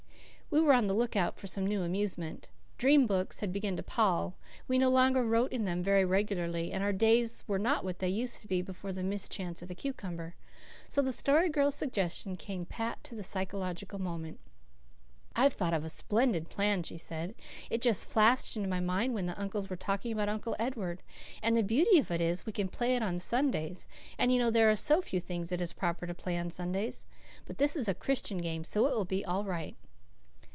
We were on the lookout for some new amusement. Dream books had begun to pall. We no longer wrote in them very regularly, and our dreams were not what they used to be before the mischance of the cucumber. So the Story Girl's suggestion came pat to the psychological moment. "I've thought of a splendid plan," she said. "It just flashed into my mind when the uncles were talking about Uncle Edward. And the beauty of it is we can play it on Sundays, and you know there are so few things it is proper to play on Sundays. But this is a Christian game, so it will be all right."